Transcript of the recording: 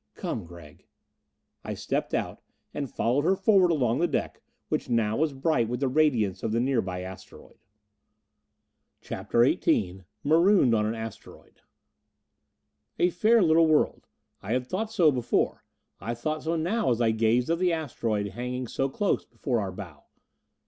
"Come, Gregg." I stepped out, and followed her forward along the deck, which now was bright with the radiance of the nearby asteroid. CHAPTER XVIII Marooned on an Asteroid A fair little world. I had thought so before; and I thought so now as I gazed at the asteroid hanging so close before our bow.